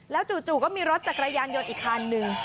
จู่ก็มีรถจักรยานยนต์อีกคันนึง